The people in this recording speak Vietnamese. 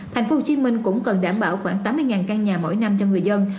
tp hcm cũng cần đảm bảo khoảng tám mươi căn nhà mỗi năm cho người dân